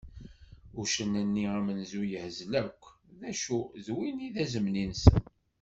Uccen-nni amenzu yehzel akk, d acu d win i d azemni-nsen.